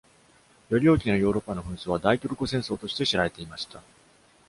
より大きなヨーロッパの紛争は、大トルコ戦争として知られていました。